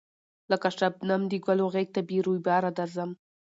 لکه شبنم د گلو غېږ ته بې رویباره درځم